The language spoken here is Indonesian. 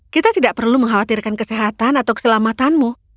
kita tidak perlu mengkhawatirkan kesehatan atau keselamatanmu